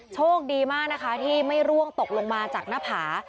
โชคดีมากนะคะที่ไม่ร่วงตกลงมาจากหน้าผา